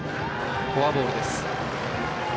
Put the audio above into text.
フォアボールです。